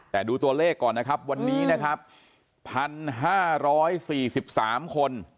แต่ดูตัวเลขก่อนนะครับวันนี้นะครับ๑๕๔๓คน